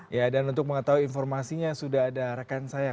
ya dan untuk mengetahui informasinya sudah ada rekan saya